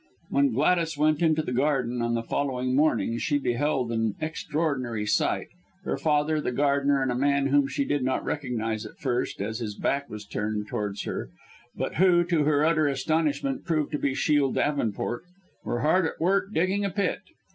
When Gladys went into the garden on the following morning she beheld an extraordinary sight. Her father, the gardener, and a man whom she did not recognize at first, as his back was turned towards her, but who, to her utter astonishment, proved to be Shiel Davenport, were hard at work, digging a pit.